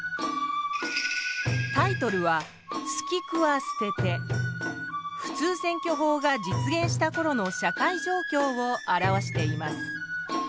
タイトルは普通選挙法が実現したころの社会状況を表しています。